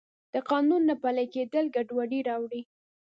د قانون نه پلی کیدل ګډوډي راوړي.